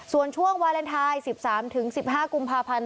ส่วนช่วงวาเลนไทย๑๓๑๕กุมภาพันธ์